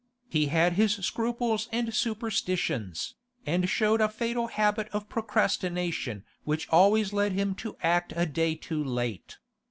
He had his scruples and superstitions, and showed a fatal habit of procrastination which always led him to act a day too late.